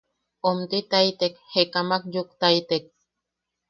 Omtitaitek, jekamak yuktaitek.